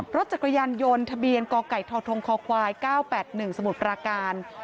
รถจักรยานยนต์ทะเบียนกไก่ทธคควาย๙๘๑สมุทรปราการ